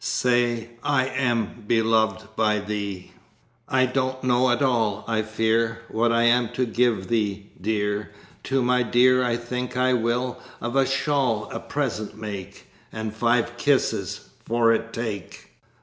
Say I am beloved by thee. I don't know at all, I fear, What I am to give thee, dear! To my dear I think I will Of a shawl a present make And five kisses for it take."'